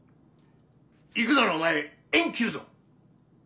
行くならお前縁切るぞ！